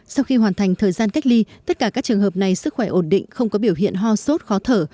sau khi hoàn thành thời gian cách ly tất cả các trường hợp này sức khỏe ổn định không có biểu hiện ho sốt khó thở